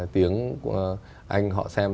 tiếng anh họ xem